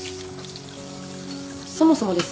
そもそもですね